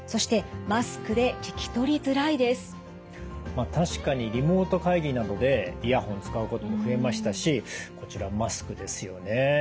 まあ確かにリモート会議などでイヤホン使うことも増えましたしこちらマスクですよね。